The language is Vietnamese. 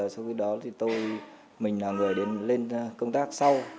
sau khi đó thì tôi mình là người đến lên công tác sau